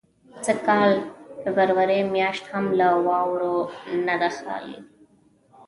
سږ کال فبروري میاشت هم له واورو نه ده خالي.